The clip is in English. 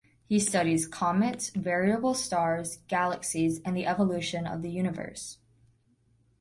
He studied comets, variable stars, galaxies and the evolution of the universe.